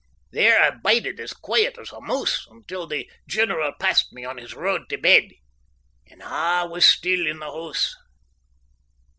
There I bided as quiet as a mouse until the general passed me on his road tae bed, and a' was still in the hoose.